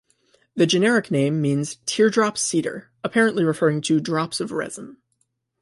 The generic name means "teardrop cedar", apparently referring to drops of resin.